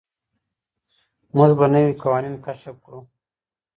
موږ به نوي قوانين کشف کړو.